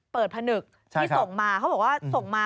เปิดพนึกที่ส่งมา